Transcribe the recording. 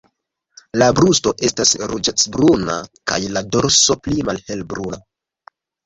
La brusto estas ruĝecbruna kaj la dorso pli malhelbruna.